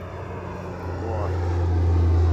Druari